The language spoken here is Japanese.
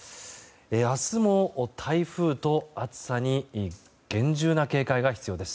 明日も台風と暑さに厳重な警戒が必要です。